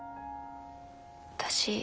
私